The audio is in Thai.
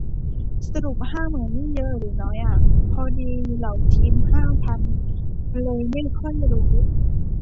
สรุปห้าหมื่นนี่เยอะหรือน้อยอะ พอดีเลาทีมห้าพันเลยไม่ค่อยรู้